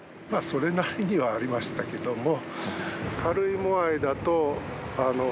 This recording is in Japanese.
それなりにはありましたけども。